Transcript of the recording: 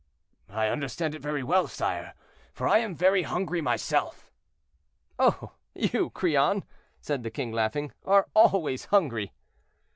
"I understand it very well, sire, for I am very hungry myself." "Oh! you, Crillon," said the king, laughing, "are always hungry."